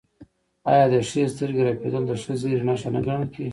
آیا د ښي سترګې رپیدل د ښه زیری نښه نه ګڼل کیږي؟